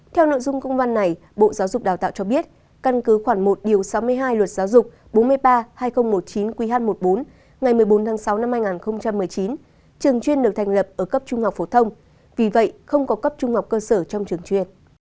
theo nội dung công văn này bộ giáo dục đào tạo cho biết căn cứ khoảng một sáu mươi hai luật giáo dục bốn mươi ba hai nghìn một mươi chín qh một mươi bốn ngày một mươi bốn tháng sáu năm hai nghìn một mươi chín trường chuyên được thành lập ở cấp trung học phổ thông vì vậy không có cấp trung học cơ sở trong trường chuyên